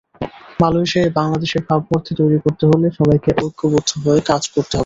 মালয়েশিয়ায় বাংলাদেশের ভাবমূর্তি তৈরি করতে হলে সবাইকে ঐক্যবদ্ধ হয়ে কাজ করতে হবে।